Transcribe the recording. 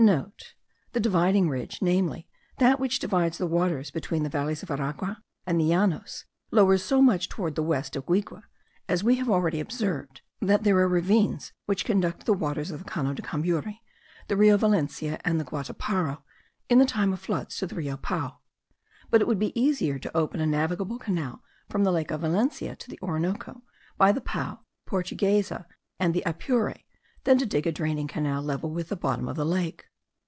(The dividing ridge, namely, that which divides the waters between the valleys of Aragua and the Llanos, lowers so much towards the west of Guigue, as we have already observed, that there are ravines which conduct the waters of the Cano de Cambury, the Rio Valencia, and the Guataparo, in the time of floods, to the Rio Pao; but it would be easier to open a navigable canal from the lake of Valencia to the Orinoco, by the Pao, the Portuguesa, and the Apure, than to dig a draining canal level with the bottom of the lake.